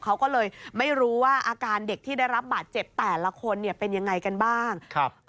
เขาก็เลยไม่รู้ว่าอาการเด็กที่ได้รับบาดเจ็บแต่ละคนเนี่ยเป็นยังไงกันบ้างครับ